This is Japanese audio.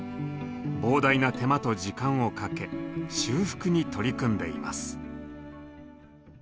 膨大な手間と時間をかけ修復に取り組んでいます。